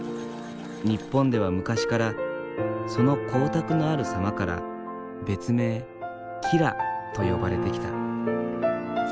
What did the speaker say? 日本では昔からその光沢のあるさまから別名「きら」と呼ばれてきた。